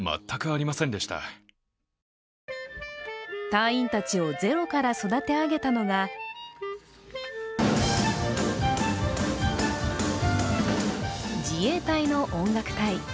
隊員たちをゼロから育て上げたのが自衛隊の音楽隊。